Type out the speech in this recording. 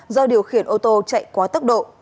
do điều khiển ô tô chạy quá tốc độ